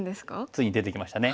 ついに出てきましたね。